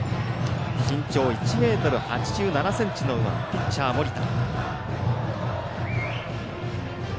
身長１ｍ８７ｃｍの右腕ピッチャー、盛田。